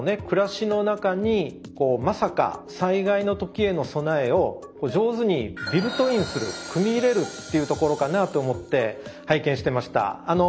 暮らしの中にまさか災害の時への備えを上手にビルトインする組み入れるっていうところかなと思って拝見してました。